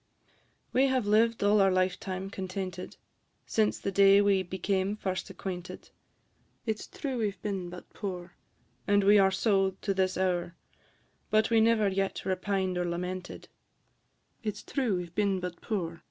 We have lived all our lifetime contented, Since the day we became first acquainted: It 's true we 've been but poor, And we are so to this hour, But we never yet repined or lamented; It 's true we 've been but poor, &c.